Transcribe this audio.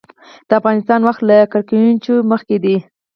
د افغانستان وخت له ګرینویچ مخکې دی